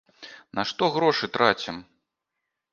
На што грошы трацім?